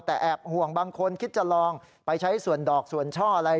แต่แอบห่วงบางคนคิดจะลองไปใช้ส่วนดอกส่วนช่ออะไร